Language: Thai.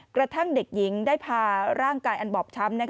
กระทั่งเด็กหญิงได้พาร่างกายอันบอบช้ำ